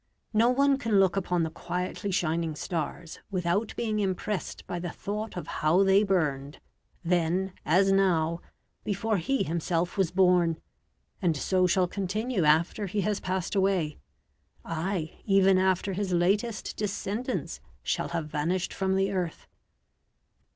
No one can look upon the quietly shining stars without being impressed by the thought of how they burned then as now before he himself was born, and so shall continue after he has passed away aye, even after his latest descendants shall have vanished from the earth.